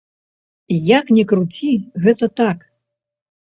Як ні круці, гэта так.